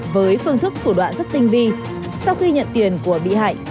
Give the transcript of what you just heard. với phương thức thủ đoạn rất tinh vi sau khi nhận tiền của bị hại